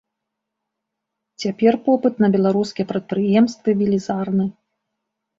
Цяпер попыт на беларускія прадпрыемствы велізарны.